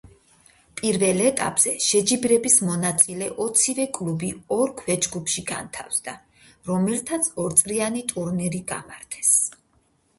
პირველ ეტაპზე შეჯიბრების მონაწილე ოცივე კლუბი ორ ქვეჯგუფში განთავსდა, რომელთაც ორწრიანი ტურნირი გამართეს.